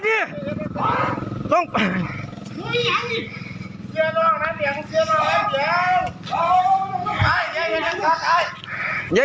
จัดกระบวนพร้อมกันพร้อมกัน